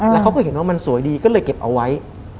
แล้วเขาก็เห็นว่ามันสวยดีก็เลยเก็บเอาไว้